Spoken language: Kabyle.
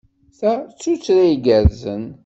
Ta d tuttra igerrzen.